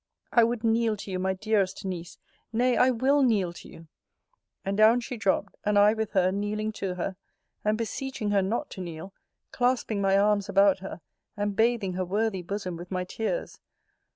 I would kneel to you, my dearest Niece nay, I will kneel to you ! And down she dropt, and I with her, kneeling to her, and beseeching her not to kneel; clasping my arms about her, and bathing her worthy bosom with my tears.